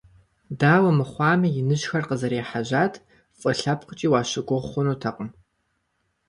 Дауэ мыхъуами, иныжьхэр къызэрехьэжьат, фӀы лъэпкъкӏи уащыгугъ хъунутэкъым.